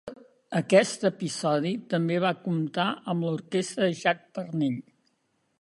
Aquest episodi també va comptar amb l'orquestra Jack Parnell.